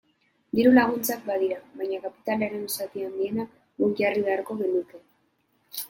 Diru-laguntzak badira, baina kapitalaren zati handiena guk jarri beharko genuke.